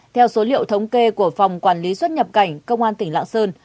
theo số liệu thống kê của phòng quản lý xuất nhập cảnh công an tỉnh lạng sơn